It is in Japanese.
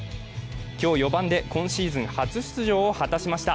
今日、４番で今シーズン初出場を果たしました。